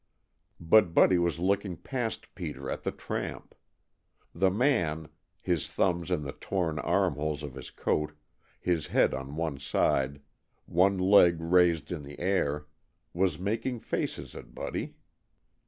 But Buddy was looking past Peter at the tramp. The man, his thumbs in the torn armholes of his coat, his head on one side, one leg raised in the air, was making faces at Buddy.